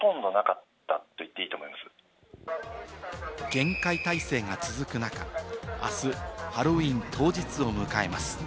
厳戒態勢が続く中、あす、ハロウィーン当日を迎えます。